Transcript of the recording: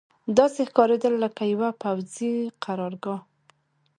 داسې ښکارېدل لکه یوه پوځي قرارګاه.